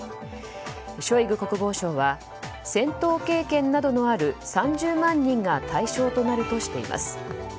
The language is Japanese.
ショイグ国防相は戦闘経験のある３０万人が対象となるとしています。